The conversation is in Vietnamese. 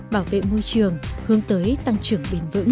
bảo vệ môi trường hướng tới tăng trưởng bền vững